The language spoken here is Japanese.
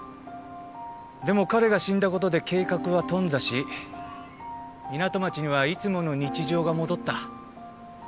でも彼が死んだことで計画は頓挫し港町にはいつもの日常が戻った。